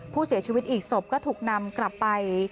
ผู้เสียชีวิตอีกศพก็ถูกนำกลับไป